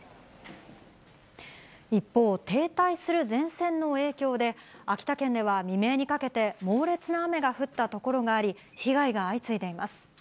一方、停滞する前線の影響で、秋田県では未明にかけて、猛烈な雨が降った所があり、被害が相次いでいます。